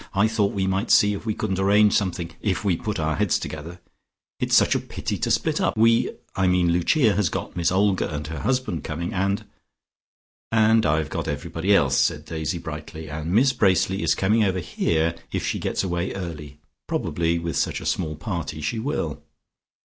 "I thought we might see if we couldn't arrange something, if we put our heads together. It's such a pity to split up. We I mean Lucia has got Miss Olga and her husband coming, and " "And I've got everybody else," said Daisy brightly. "And Miss Bracely is coming over here, if she gets away early. Probably with such a small party she will."